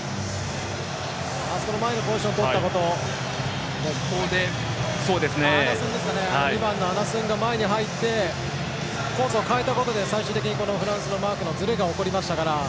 あそこの前のポジションをとった２番のアナスンが前に入ってコースを変えたことで最終的にフランスのマークのずれが起こりましたから。